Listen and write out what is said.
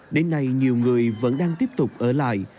đến nay nhiều người vẫn đang tiếp tục ở lại